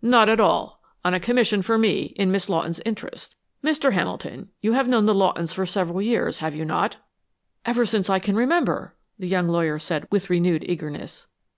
"Not at all. On a commission for me, in Miss Lawton's interests. Mr. Hamilton, you have known the Lawtons for several years, have you not?" "Ever since I can remember," the young lawyer said with renewed eagerness.